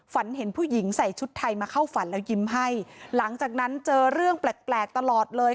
ฝันเห็นผู้หญิงใส่ชุดไทยมาเข้าฝันแล้วยิ้มให้หลังจากนั้นเจอเรื่องแปลกแปลกตลอดเลย